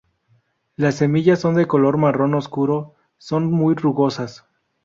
Las semillas de color marrón oscuro son muy rugosas.